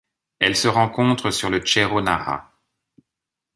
Elle se rencontre sur le Cerro Nara.